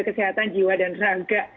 kesehatan jiwa dan raga